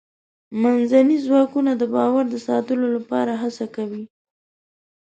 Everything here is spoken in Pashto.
منځني ځواکونه د باور د ساتلو لپاره هڅه کوي.